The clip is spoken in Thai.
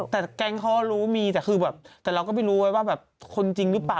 แต่แกล้งข้อรู้มีแต่เราก็ไม่รู้ว่าคนจริงหรือเปล่า